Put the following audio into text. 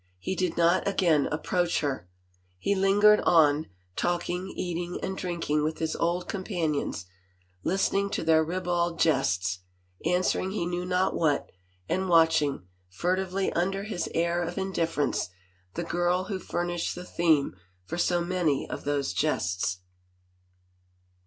He did not again approach her. He lingered on, talking, eating and drink ing with his old companions, listening to their ribald jests, answering he knew not what, and watching, furtively under his air of indifference, the girl who furnished the theme for so many of those jests.